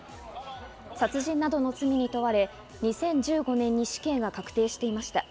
殺人などの罪に問われ２０１５年に死刑が確定していました。